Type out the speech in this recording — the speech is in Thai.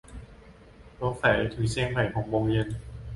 สงสัยถึงเชียงใหม่หกโมงเย็น